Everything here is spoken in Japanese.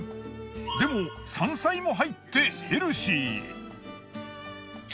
でも山菜も入ってヘルシー。